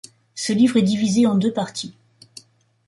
Ce livre est divisé en deux parties.